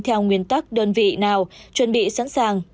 theo nguyên tắc đơn vị nào chuẩn bị sẵn sàng